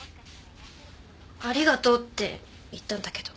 ありがとうって言ったんだけど。